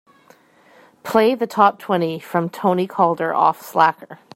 Play the top-twenty from Tony Calder off Slacker.